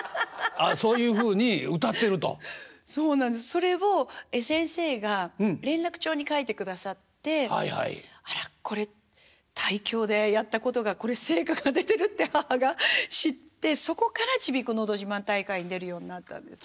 それを先生が連絡帳に書いてくださって「あらっこれ胎教でやったことが成果が出てる」って母が知ってそこからちびっこのど自慢大会に出るようになったんです。